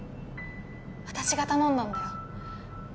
私が頼んだんだよ